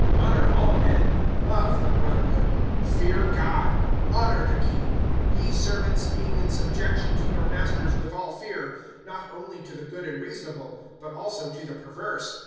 (17)Honor all men; love the brotherhood; fear God; honor the king; (18)ye servants, being in subjection to your masters with all fear, not only to the good and reasonable, but also to the perverse.